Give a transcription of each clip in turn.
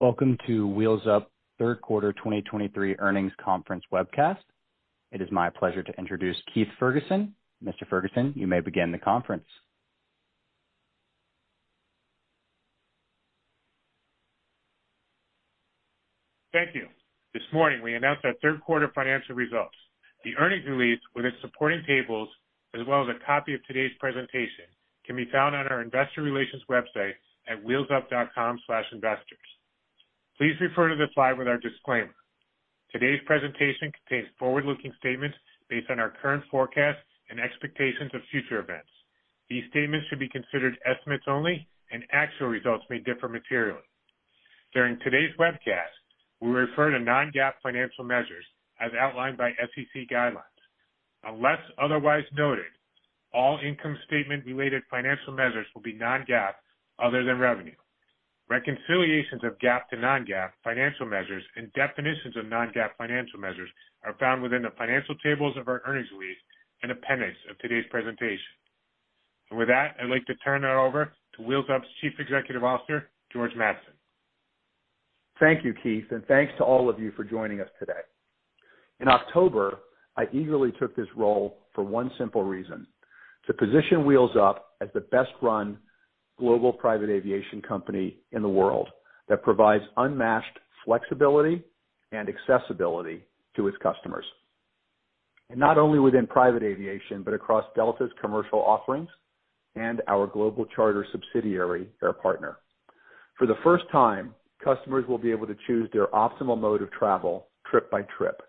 Welcome to Wheels Up third quarter 2023 earnings conference webcast. It is my pleasure to introduce Keith Ferguson. Mr. Ferguson, you may begin the conference. Thank you. This morning, we announced our third quarter financial results. The earnings release with its supporting tables, as well as a copy of today's presentation, can be found on our Investor Relations website at wheelsup.com/investors. Please refer to the slide with our disclaimer. Today's presentation contains forward-looking statements based on our current forecasts and expectations of future events. These statements should be considered estimates only, and actual results may differ materially. During today's webcast, we refer to non-GAAP financial measures as outlined by SEC guidelines. Unless otherwise noted, all income statement related financial measures will be non-GAAP, other than revenue. Reconciliations of GAAP to non-GAAP financial measures and definitions of non-GAAP financial measures are found within the financial tables of our earnings release and appendix of today's presentation. With that, I'd like to turn it over to Wheels Up's Chief Executive Officer, George Mattson. Thank you, Keith, and thanks to all of you for joining us today. In October, I eagerly took this role for one simple reason: to position Wheels Up as the best run global private aviation company in the world, that provides unmatched flexibility and accessibility to its customers, and not only within private aviation, but across Delta's commercial offerings and our global charter subsidiary, Air Partner. For the first time, customers will be able to choose their optimal mode of travel, trip by trip,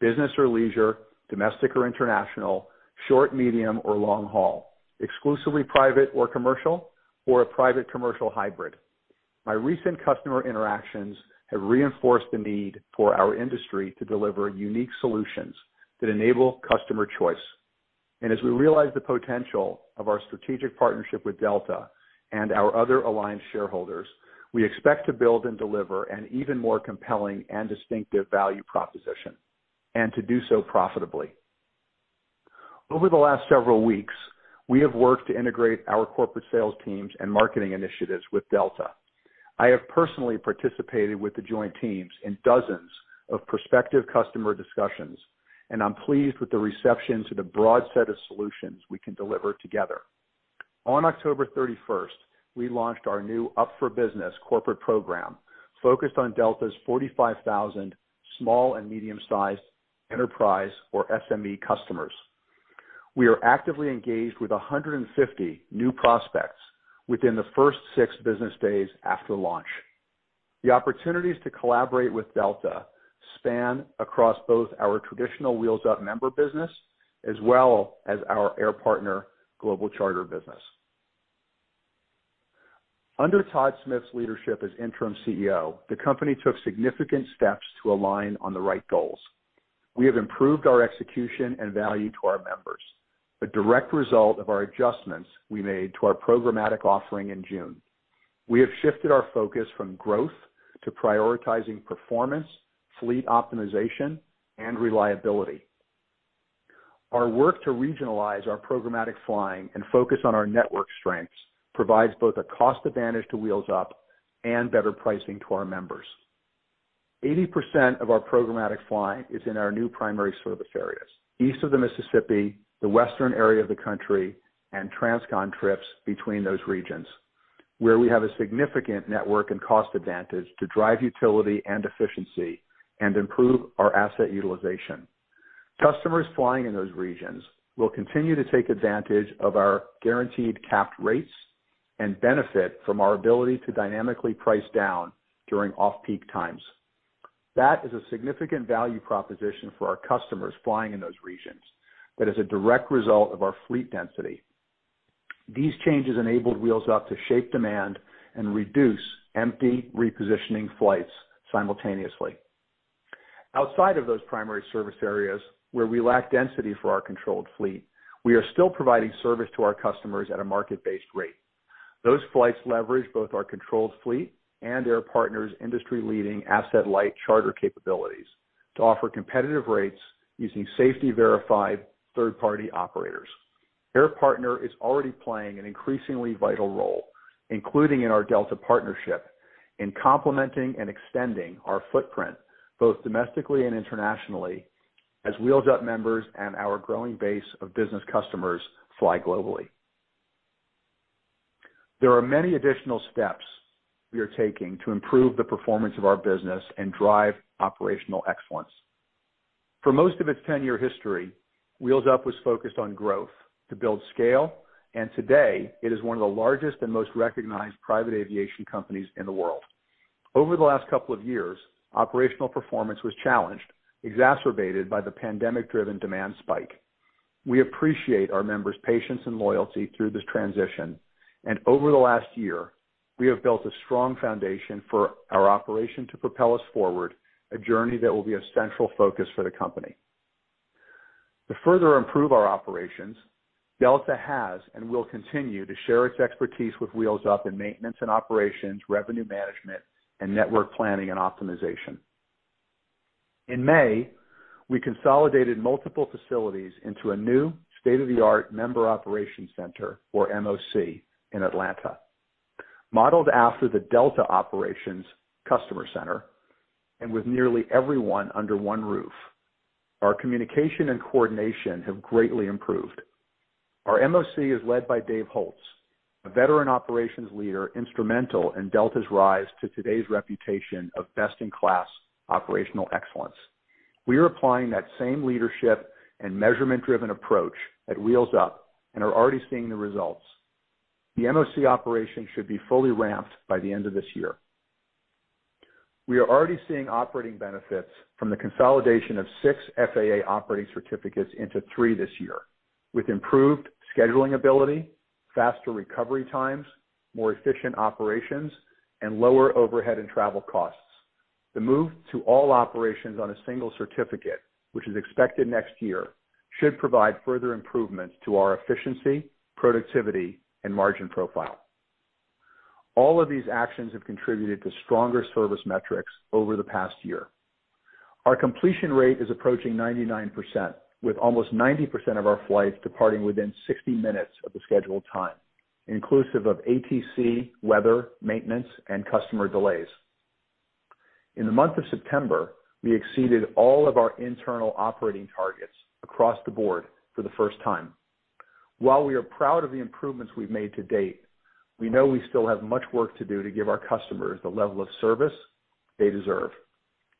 business or leisure, domestic or international, short, medium, or long haul, exclusively private or commercial, or a private commercial hybrid. My recent customer interactions have reinforced the need for our industry to deliver unique solutions that enable customer choice. As we realize the potential of our strategic partnership with Delta and our other alliance shareholders, we expect to build and deliver an even more compelling and distinctive value proposition, and to do so profitably. Over the last several weeks, we have worked to integrate our corporate sales teams and marketing initiatives with Delta. I have personally participated with the joint teams in dozens of prospective customer discussions, and I'm pleased with the reception to the broad set of solutions we can deliver together. On October 31st, we launched our new Up for Business corporate program, focused on Delta's 45,000 small and medium-sized enterprise or SME customers. We are actively engaged with 150 new prospects within the first six business days after launch. The opportunities to collaborate with Delta span across both our traditional Wheels Up member business as well as our Air Partner global charter business. Under Todd Smith's leadership as Interim CEO, the company took significant steps to align on the right goals. We have improved our execution and value to our members, a direct result of our adjustments we made to our programmatic offering in June. We have shifted our focus from growth to prioritizing performance, fleet optimization, and reliability. Our work to regionalize our programmatic flying and focus on our network strengths provides both a cost advantage to Wheels Up and better pricing to our members. 80% of our programmatic flying is in our new primary service areas, east of the Mississippi, the western area of the country, and transcon trips between those regions, where we have a significant network and cost advantage to drive utility and efficiency and improve our asset utilization. Customers flying in those regions will continue to take advantage of our guaranteed capped rates and benefit from our ability to dynamically price down during off-peak times. That is a significant value proposition for our customers flying in those regions, that is a direct result of our fleet density. These changes enabled Wheels Up to shape demand and reduce empty repositioning flights simultaneously. Outside of those primary service areas, where we lack density for our controlled fleet, we are still providing service to our customers at a market-based rate. Those flights leverage both our controlled fleet and Air Partner's industry-leading asset-light charter capabilities to offer competitive rates using safety verified third-party operators. Air Partner is already playing an increasingly vital role, including in our Delta partnership, in complementing and extending our footprint, both domestically and internationally, as Wheels Up members and our growing base of business customers fly globally. There are many additional steps we are taking to improve the performance of our business and drive operational excellence. For most of its 10-year history, Wheels Up was focused on growth to build scale, and today it is one of the largest and most recognized private aviation companies in the world. Over the last couple of years, operational performance was challenged, exacerbated by the pandemic-driven demand spike. We appreciate our members' patience and loyalty through this transition, and over the last year, we have built a strong foundation for our operation to propel us forward, a journey that will be a central focus for the company. To further improve our operations, Delta has and will continue to share its expertise with Wheels Up in maintenance and operations, revenue management, and network planning and optimization. In May, we consolidated multiple facilities into a new state-of-the-art Member Operations Center, or MOC, in Atlanta. Modeled after the Delta Operations Customer Center, and with nearly everyone under one roof, our communication and coordination have greatly improved. Our MOC is led by Dave Holtz, a veteran operations leader, instrumental in Delta's rise to today's reputation of best-in-class operational excellence. We are applying that same leadership and measurement-driven approach at Wheels Up and are already seeing the results. The MOC operation should be fully ramped by the end of this year. We are already seeing operating benefits from the consolidation of six FAA operating certificates into three this year, with improved scheduling ability, faster recovery times, more efficient operations, and lower overhead and travel costs. The move to all operations on a single certificate, which is expected next year, should provide further improvements to our efficiency, productivity, and margin profile. All of these actions have contributed to stronger service metrics over the past year. Our completion rate is approaching 99%, with almost 90% of our flights departing within 60 minutes of the scheduled time, inclusive of ATC, weather, maintenance, and customer delays. In the month of September, we exceeded all of our internal operating targets across the board for the first time. While we are proud of the improvements we've made to date, we know we still have much work to do to give our customers the level of service they deserve.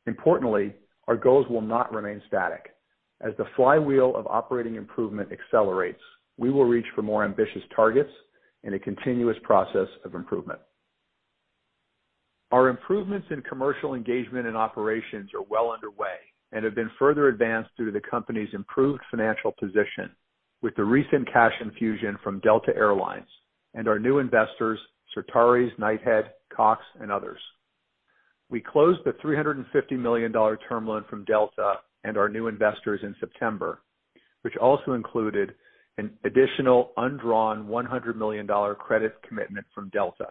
Importantly, our goals will not remain static. As the flywheel of operating improvement accelerates, we will reach for more ambitious targets in a continuous process of improvement. Our improvements in commercial engagement and operations are well underway and have been further advanced through the company's improved financial position with the recent cash infusion from Delta Air Lines and our new investors, Certares, Knighthead, Cox, and others. We closed the $350 million term loan from Delta and our new investors in September, which also included an additional undrawn $100 million credit commitment from Delta.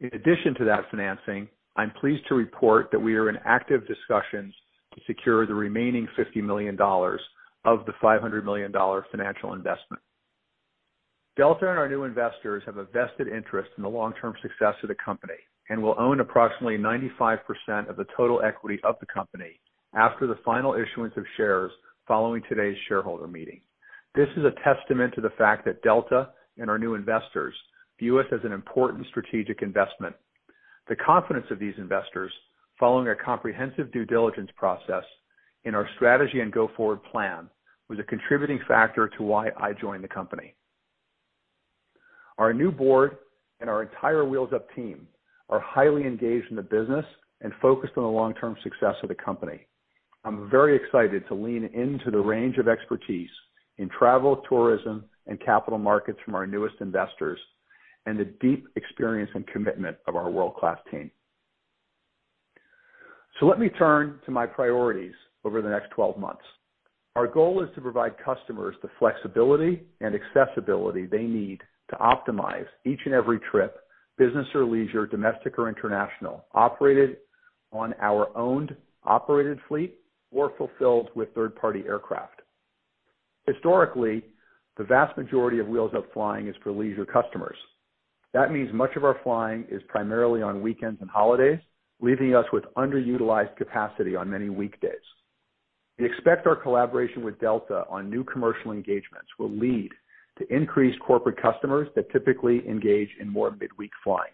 In addition to that financing, I'm pleased to report that we are in active discussions to secure the remaining $50 million of the $500 million financial investment. Delta and our new investors have a vested interest in the long-term success of the company and will own approximately 95% of the total equity of the company after the final issuance of shares following today's shareholder meeting. This is a testament to the fact that Delta and our new investors view us as an important strategic investment. The confidence of these investors, following a comprehensive due diligence process in our strategy and go-forward plan, was a contributing factor to why I joined the company. Our new board and our entire Wheels Up team are highly engaged in the business and focused on the long-term success of the company. I'm very excited to lean into the range of expertise in travel, tourism, and capital markets from our newest investors, and the deep experience and commitment of our world-class team. Let me turn to my priorities over the next 12 months. Our goal is to provide customers the flexibility and accessibility they need to optimize each and every trip, business or leisure, domestic or international, operated on our owned operated fleet or fulfilled with third-party aircraft. Historically, the vast majority of Wheels Up flying is for leisure customers. That means much of our flying is primarily on weekends and holidays, leaving us with underutilized capacity on many weekdays. We expect our collaboration with Delta on new commercial engagements will lead to increased corporate customers that typically engage in more midweek flying.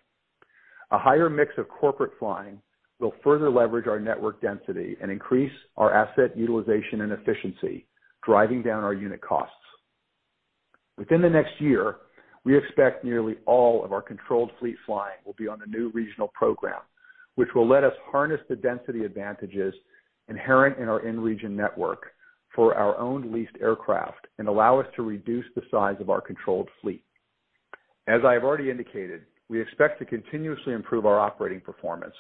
A higher mix of corporate flying will further leverage our network density and increase our asset utilization and efficiency, driving down our unit costs. Within the next year, we expect nearly all of our controlled fleet flying will be on the new regional program, which will let us harness the density advantages inherent in our in-region network for our own leased aircraft and allow us to reduce the size of our controlled fleet. As I have already indicated, we expect to continuously improve our operating performance.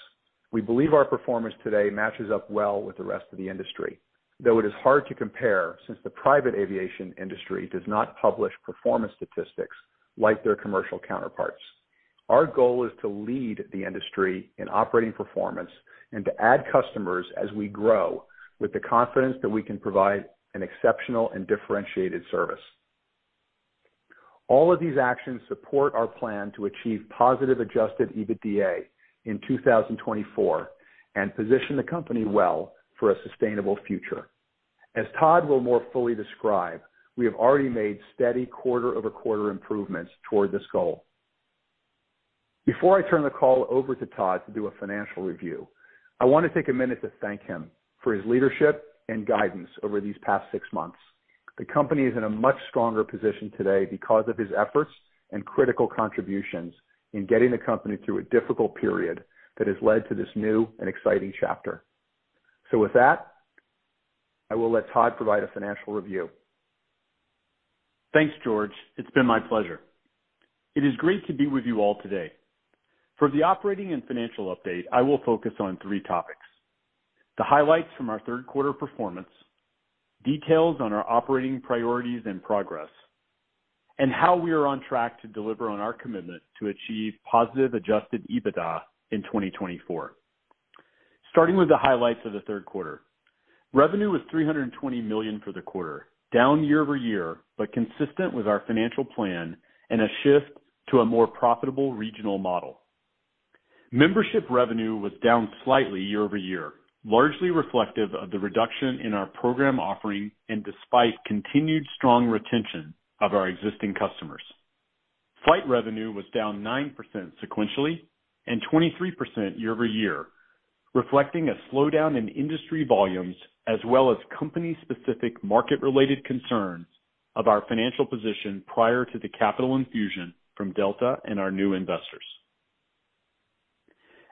We believe our performance today matches up well with the rest of the industry, though it is hard to compare since the private aviation industry does not publish performance statistics like their commercial counterparts. Our goal is to lead the industry in operating performance and to add customers as we grow, with the confidence that we can provide an exceptional and differentiated service. All of these actions support our plan to achieve positive adjusted EBITDA in 2024 and position the company well for a sustainable future. As Todd will more fully describe, we have already made steady quarter-over-quarter improvements toward this goal. Before I turn the call over to Todd to do a financial review, I want to take a minute to thank him for his leadership and guidance over these past six months. The company is in a much stronger position today because of his efforts and critical contributions in getting the company through a difficult period that has led to this new and exciting chapter. So with that, I will let Todd provide a financial review. Thanks, George. It's been my pleasure. It is great to be with you all today. For the operating and financial update, I will focus on three topics: The highlights from our third quarter performance, details on our operating priorities and progress, and how we are on track to deliver on our commitment to achieve positive adjusted EBITDA in 2024. Starting with the highlights of the third quarter. Revenue was $320 million for the quarter, down year-over-year, but consistent with our financial plan and a shift to a more profitable regional model. Membership revenue was down slightly year-over-year, largely reflective of the reduction in our program offering and despite continued strong retention of our existing customers. Flight revenue was down 9% sequentially and 23% year-over-year, reflecting a slowdown in industry volumes as well as company-specific market-related concerns of our financial position prior to the capital infusion from Delta and our new investors.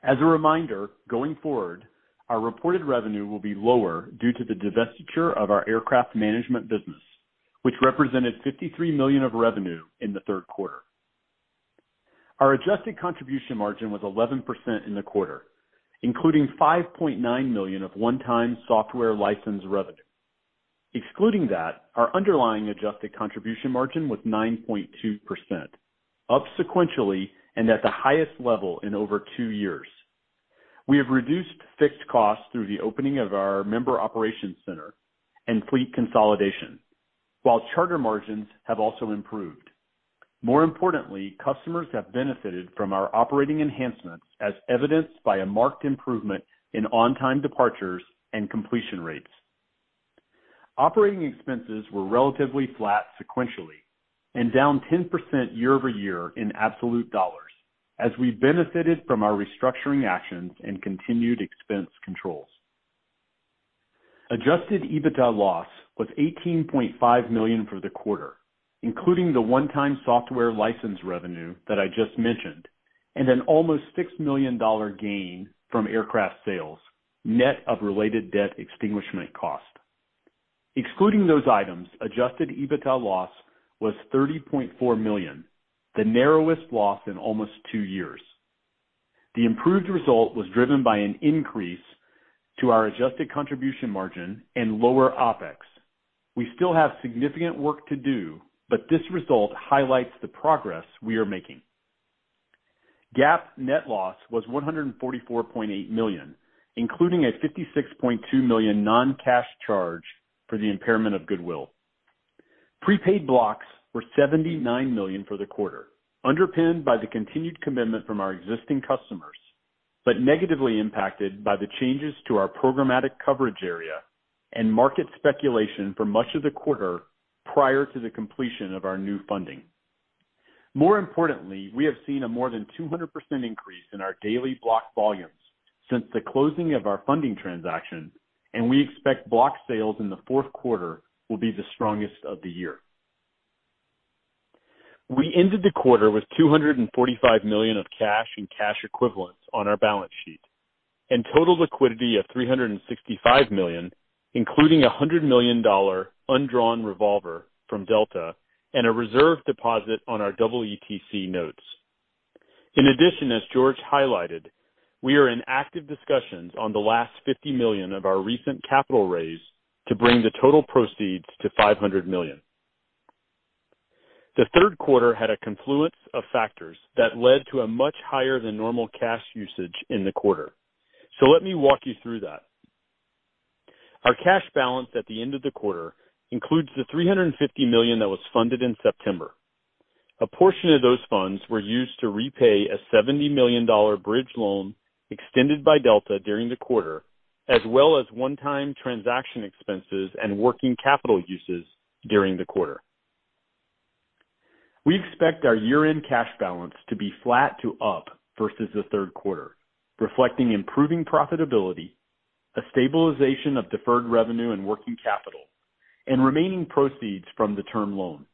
As a reminder, going forward, our reported revenue will be lower due to the divestiture of our aircraft management business, which represented $53 million of revenue in the third quarter. Our adjusted contribution margin was 11% in the quarter, including $5.9 million of one-time software license revenue. Excluding that, our underlying adjusted contribution margin was 9.2%, up sequentially and at the highest level in over two years. We have reduced fixed costs through the opening of our member operations center and fleet consolidation, while charter margins have also improved. More importantly, customers have benefited from our operating enhancements, as evidenced by a marked improvement in on-time departures and completion rates. Operating expenses were relatively flat sequentially and down 10% year-over-year in absolute dollars, as we benefited from our restructuring actions and continued expense controls. Adjusted EBITDA loss was $18.5 million for the quarter, including the one-time software license revenue that I just mentioned and an almost $6 million gain from aircraft sales, net of related debt extinguishment cost. Excluding those items, adjusted EBITDA loss was $30.4 million, the narrowest loss in almost two years. The improved result was driven by an increase to our adjusted contribution margin and lower OpEx. We still have significant work to do, but this result highlights the progress we are making. GAAP net loss was $144.8 million, including a $56.2 million non-cash charge for the impairment of goodwill. Prepaid blocks were $79 million for the quarter, underpinned by the continued commitment from our existing customers, but negatively impacted by the changes to our programmatic coverage area and market speculation for much of the quarter prior to the completion of our new funding. More importantly, we have seen a more than 200% increase in our daily block volumes since the closing of our funding transaction, and we expect block sales in the fourth quarter will be the strongest of the year. We ended the quarter with $245 million of cash and cash equivalents on our balance sheet and total liquidity of $365 million, including a $100 million undrawn revolver from Delta and a reserve deposit on our EETC notes. In addition, as George highlighted, we are in active discussions on the last $50 million of our recent capital raise to bring the total proceeds to $500 million. The third quarter had a confluence of factors that led to a much higher than normal cash usage in the quarter. So let me walk you through that. Our cash balance at the end of the quarter includes the $350 million that was funded in September. A portion of those funds were used to repay a $70 million bridge loan extended by Delta during the quarter, as well as one-time transaction expenses and working capital uses during the quarter. We expect our year-end cash balance to be flat to up versus the third quarter, reflecting improving profitability, a stabilization of deferred revenue and working capital, and remaining proceeds from the term loan.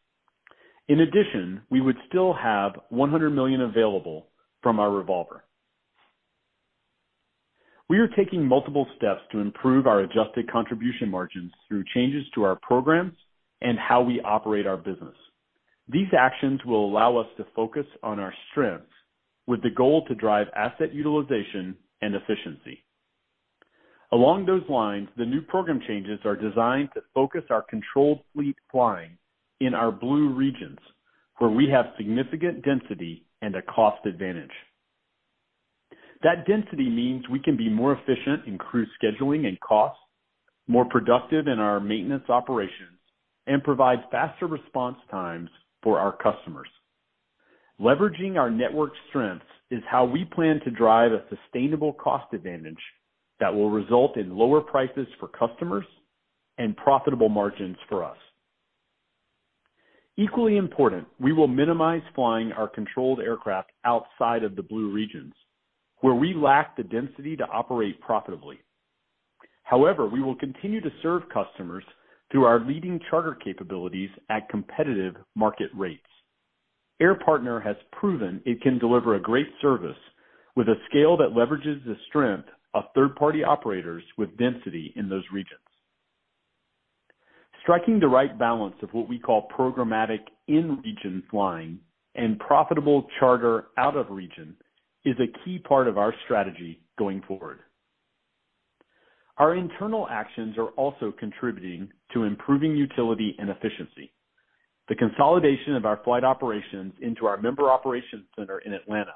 In addition, we would still have $100 million available from our revolver. We are taking multiple steps to improve our adjusted contribution margins through changes to our programs and how we operate our business. These actions will allow us to focus on our strengths with the goal to drive asset utilization and efficiency. Along those lines, the new program changes are designed to focus our controlled fleet flying in our blue regions, where we have significant density and a cost advantage. That density means we can be more efficient in crew scheduling and costs, more productive in our maintenance operations, and provide faster response times for our customers. Leveraging our network strengths is how we plan to drive a sustainable cost advantage that will result in lower prices for customers and profitable margins for us. Equally important, we will minimize flying our controlled aircraft outside of the blue regions, where we lack the density to operate profitably. However, we will continue to serve customers through our leading charter capabilities at competitive market rates. Air Partner has proven it can deliver a great service with a scale that leverages the strength of third-party operators with density in those regions. Striking the right balance of what we call programmatic in-region flying and profitable charter out of region is a key part of our strategy going forward. Our internal actions are also contributing to improving utility and efficiency. The consolidation of our flight operations into our Member Operations Center in Atlanta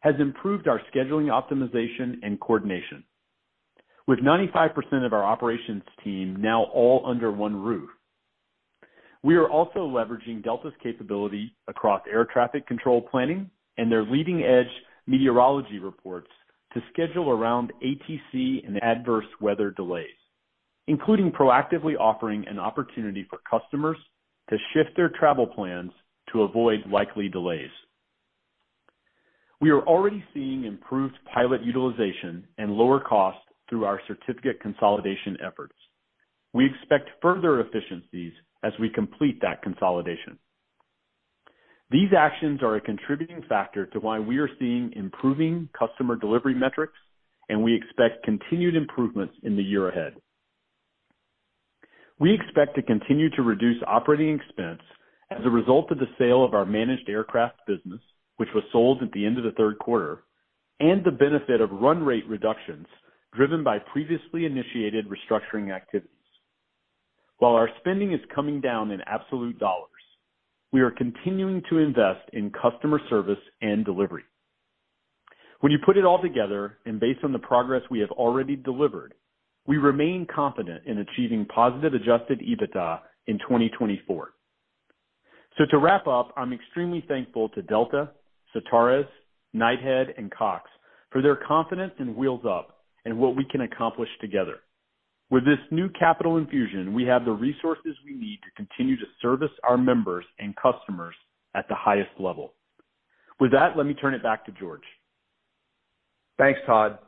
has improved our scheduling, optimization, and coordination. With 95% of our operations team now all under one roof, we are also leveraging Delta's capability across air traffic control planning and their leading-edge meteorology reports to schedule around ATC and adverse weather delays, including proactively offering an opportunity for customers to shift their travel plans to avoid likely delays. We are already seeing improved pilot utilization and lower costs through our certificate consolidation efforts. We expect further efficiencies as we complete that consolidation. These actions are a contributing factor to why we are seeing improving customer delivery metrics, and we expect continued improvements in the year ahead. We expect to continue to reduce operating expense as a result of the sale of our managed aircraft business, which was sold at the end of the third quarter, and the benefit of run rate reductions driven by previously initiated restructuring activities. While our spending is coming down in absolute dollars, we are continuing to invest in customer service and delivery. When you put it all together, and based on the progress we have already delivered, we remain confident in achieving positive adjusted EBITDA in 2024. So to wrap up, I'm extremely thankful to Delta, Certares, Knighthead, and Cox for their confidence in Wheels Up and what we can accomplish together. With this new capital infusion, we have the resources we need to continue to service our members and customers at the highest level. With that, let me turn it back to George. Thanks, Todd.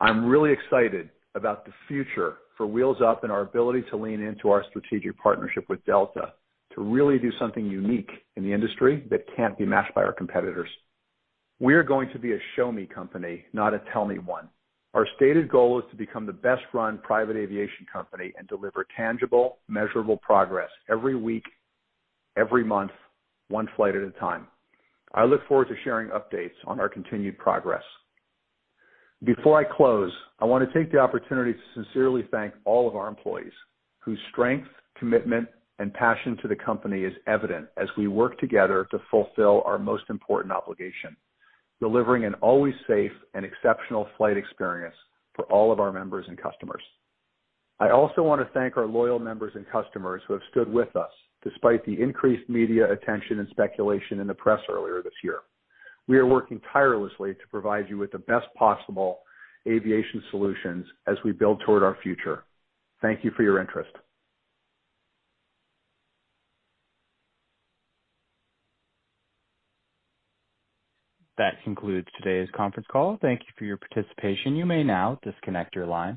I'm really excited about the future for Wheels Up and our ability to lean into our strategic partnership with Delta to really do something unique in the industry that can't be matched by our competitors. We are going to be a show me company, not a tell me one. Our stated goal is to become the best-run private aviation company and deliver tangible, measurable progress every week, every month, one flight at a time. I look forward to sharing updates on our continued progress. Before I close, I want to take the opportunity to sincerely thank all of our employees whose strength, commitment, and passion to the company is evident as we work together to fulfill our most important obligation, delivering an always safe and exceptional flight experience for all of our members and customers. I also want to thank our loyal members and customers who have stood with us despite the increased media attention and speculation in the press earlier this year. We are working tirelessly to provide you with the best possible aviation solutions as we build toward our future. Thank you for your interest. That concludes today's conference call. Thank you for your participation. You may now disconnect your line.